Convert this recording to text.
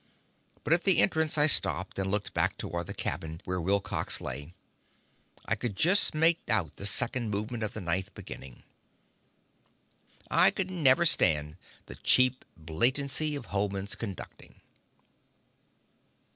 But at the entrance I stopped and looked back toward the cabin where Wilcox lay. I could just make out the second movement of the Ninth beginning. I never could stand the cheap blatancy of Hohmann's conducting.